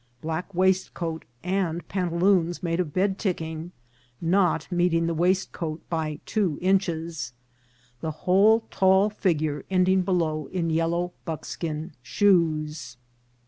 black waistcoat, and pantaloons made of bedticking, not meeting the waistcoat by two inches, the whole tall figure ending below in yellow buckskin shoes.